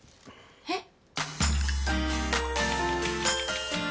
えっ！？